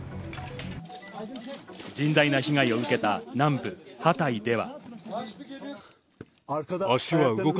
甚大な被害を受けた南部ハタイでは。